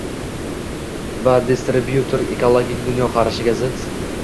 Bu distribyuterning ekologik dunyoqarashiga zid